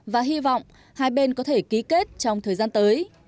và hy vọng hai bên có thể ký kết trong thời gian tới